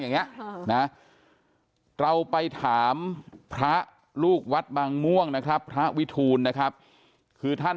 อย่างนี้นะเราไปถามพระลูกวัดบางม่วงนะครับพระวิทูลนะครับคือท่าน